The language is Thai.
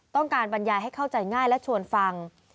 ต้องการบรรยายให้เข้าใจง่ายและชวนฟัง